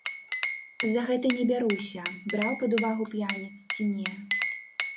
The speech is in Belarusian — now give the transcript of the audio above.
За гэта не бяруся, браў пад увагу п'яніц ці не.